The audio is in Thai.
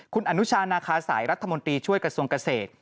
คุณอนุชานาคาสายรัฐมนตรีช่วยกระทรวงเกษตร